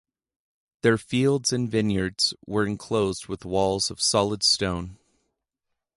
Their fields and vineyards were enclosed with walls of solid stone.